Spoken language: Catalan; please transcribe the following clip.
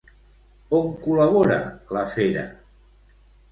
On col·labora la fera?